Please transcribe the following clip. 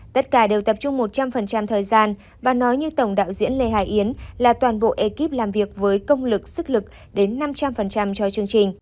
tất cả đều tập trung một trăm linh thời gian và nói như tổng đạo diễn lê hải yến là toàn bộ ekip làm việc với công lực sức lực đến năm trăm linh cho chương trình